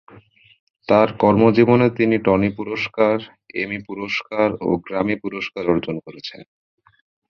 তার কর্মজীবনে তিনি টনি পুরস্কার, এমি পুরস্কার ও গ্র্যামি পুরস্কার অর্জন করেছেন।